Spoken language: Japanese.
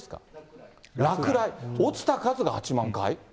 落ちた数が８万回？